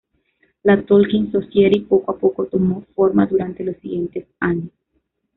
La" Tolkien Society" poco a poco tomó forma durante los siguientes años.